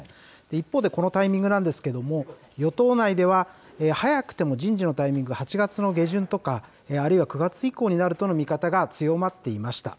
一方でこのタイミングなんですけれども、与党内では早くても人事のタイミング、８月の下旬とか、あるいは９月以降になるとの見方が強まっていました。